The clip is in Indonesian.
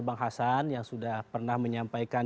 bang hasan yang sudah pernah menyampaikan